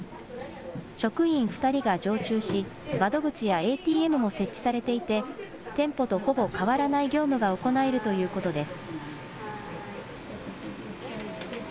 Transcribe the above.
職員２人が常駐し窓口やＡＴＭも設置されていて店舗とほぼ変わらない業務が行えるということです。